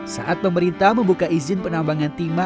saat pemerintah membuka izin penambangan timah